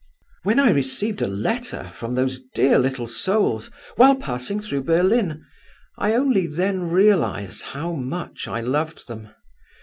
"When I received a letter from those dear little souls, while passing through Berlin, I only then realized how much I loved them.